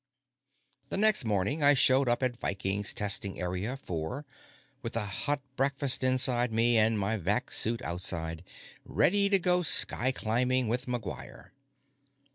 The next morning, I showed up at Viking's Testing Area Four with a hot breakfast inside me and my vac suit outside, ready to go sky climbing with McGuire.